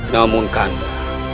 namun kak kanda